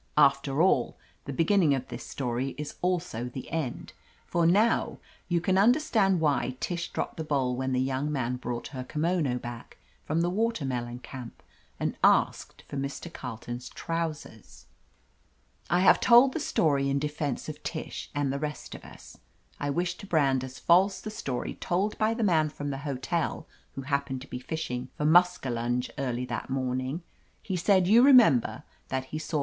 After all, the beginning of this story is also the end. For now you can understand why Tish dropped the bowl when the young man brought her kimono back from the Water melon Camp and asked for Mr. Carleton's trousers ! I have told the story in defense of Tish and the rest of us. I wish to brand as false the story told by the man from the hotel who hap pened to be fishing for muskalunge early that morning. He said, you remember, that he saw.